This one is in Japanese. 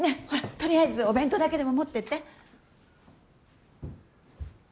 とりあえずお弁当だけでも持っていって。